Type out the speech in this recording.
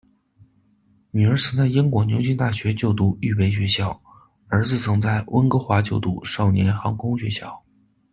女儿曾在英国牛津大学就读预备学校，儿子曾在温哥华就读少年航空学校。